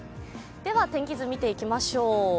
天気図、見ていきましょう。